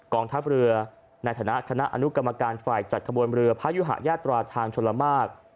องทัพเรือในฐานะคณะอนุกรรมการฝ่ายจัดขบวนเรือพระยุหายาตราทางชนละมาก